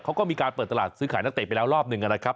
เขาก็มีการเปิดตลาดซื้อขายนักเตะไปแล้วรอบหนึ่งนะครับ